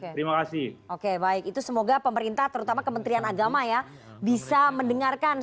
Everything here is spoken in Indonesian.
oke terima kasih oke baik itu semoga pemerintah terutama kementerian agama ya bisa mendengarkan